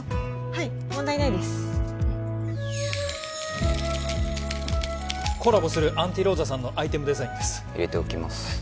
はい問題ないですうんコラボするアンティローザさんのアイテムデザインです入れておきます